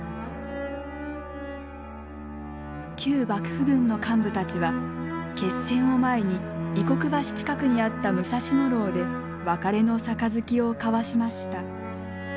旧幕府軍の幹部たちは決戦を前に異国橋近くにあった武蔵野楼で別れの杯を交わしました。